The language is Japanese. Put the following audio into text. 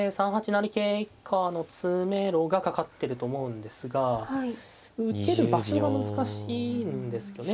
成桂以下の詰めろがかかってると思うんですが受ける場所が難しいんですよね。